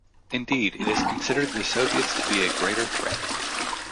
Indeed, it considered the Soviets to be a greater threat.